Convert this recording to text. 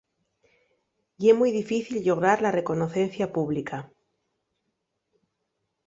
Ye mui difícil llograr la reconocencia pública.